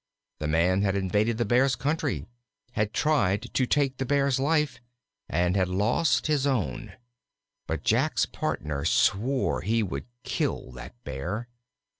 The man had invaded the Bear's country, had tried to take the Bear's life, and had lost his own. But Jack's partner swore he would kill that Bear.